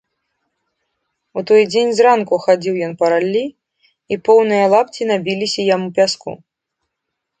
У той дзень зранку хадзіў ён па раллі, і поўныя лапці набілася яму пяску.